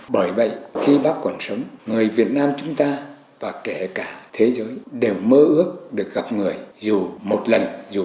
bởi vậy khi bác còn sống người việt nam chúng ta và kể cả thế giới đều mơ ước được gặp người dù một lần dù chỉ trong chút lát